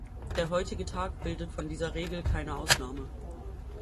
Der heutige Tag bildet von dieser Regel keine Ausnahme.